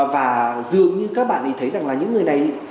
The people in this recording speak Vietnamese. và dường như các bạn thì thấy rằng là những người này